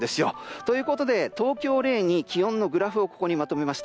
ということで、東京を例に気温のグラフをまとめました。